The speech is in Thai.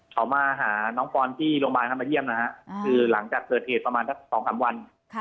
เขามาหาน้องปอนที่โรงพยาบาลเข้ามาเยี่ยมนะฮะคือหลังจากเกิดเหตุประมาณสัก๒๓วัน